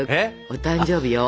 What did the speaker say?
お誕生日よ？